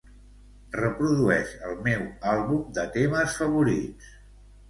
Reprodueix el meu àlbum de temes favorits.